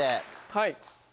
はい。